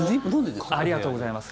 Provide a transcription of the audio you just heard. ありがとうございます。